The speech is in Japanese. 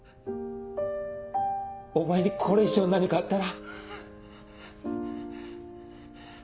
お前にこれ以上何かあったら。